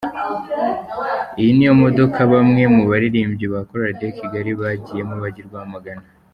Iyi niyo modoka bamwe mu baririmbyi ba Chorale de Kigali bagiyemo bajya i Rwamagana.